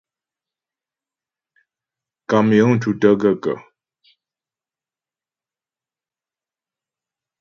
Kàm yəŋ tútə́ gaə̂kə̀ ?